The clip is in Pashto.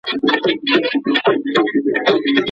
د دوکتورا برنامه له اجازې پرته نه کارول کیږي.